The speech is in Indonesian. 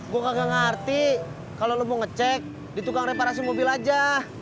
gue kagak ngerti kalau lo mau ngecek di tukang reparasi mobil aja